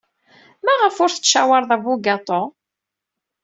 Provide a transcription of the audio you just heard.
Maɣef ur tettcawareḍ abugaṭu?